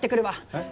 えっ？